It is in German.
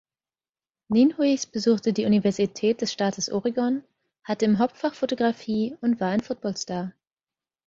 Nienhuis besuchte die Universität des Staates Oregon, hatte im Hauptfach Fotografie und war ein Footballstar.